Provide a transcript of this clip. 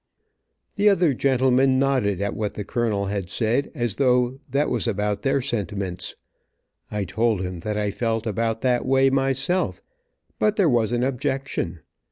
The other gentlemen nodded at what the colonel had said, as though that was about their sentiments. I told him that I felt about that way myself, but there was an objection.